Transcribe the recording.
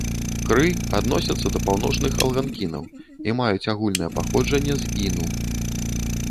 Кры адносяцца да паўночных алганкінаў і маюць агульнае паходжанне з іну.